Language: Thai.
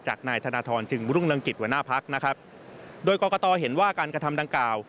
นายธนทรจึงรุ่งเรืองกิจหัวหน้าพักนะครับโดยกรกตเห็นว่าการกระทำดังกล่าว